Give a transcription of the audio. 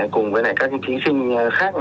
cùng với các thí sinh khác